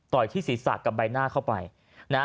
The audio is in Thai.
ต่อยที่ศรีศัตริย์กับใบหน้าเข้าไปนะ